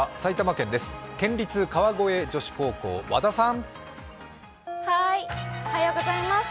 県立川越女子高校、和田さん。